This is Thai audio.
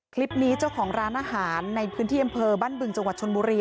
คลิปนี้เจ้าของร้านอาหารในพื้นที่อำเภอบ้านบึงจังหวัดชนบุรี